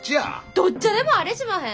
どっちゃでもあれしまへん。